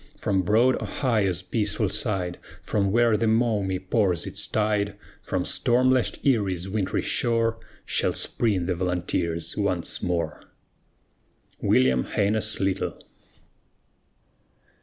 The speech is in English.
From broad Ohio's peaceful side, From where the Maumee pours its tide, From storm lashed Erie's wintry shore, Shall spring the Volunteers once more. WILLIAM HAINES LYTLE.